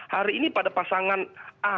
hari ini pada pasangan a